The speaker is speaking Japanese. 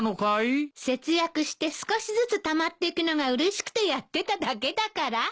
節約して少しずつたまっていくのがうれしくてやってただけだから。